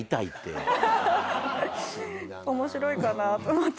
面白いかなと思って。